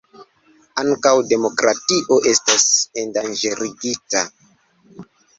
Ankaŭ demokratio estas endanĝerigita.